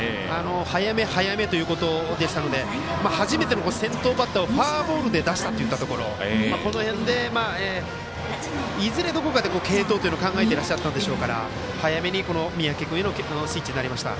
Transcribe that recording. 早め早めということでしたので初めての先頭バッターをフォアボールで出したこの辺で、いずれどこかで継投というのを考えていらっしゃったんでしょうから早めに三宅君へのスイッチになりました。